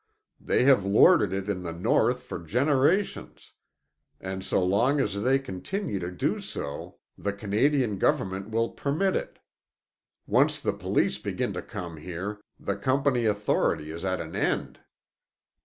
They have lorded it in the North for generations, and so long as they continue to do so the Canadian government will permit it. Once the Police begin to come here, the Company authority is at an end.